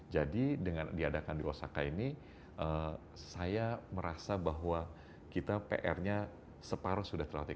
dengan diadakan di osaka ini saya merasa bahwa kita pr nya separuh sudah terlatih